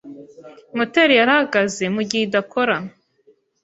Moteri yarahagaze mugihe idakora.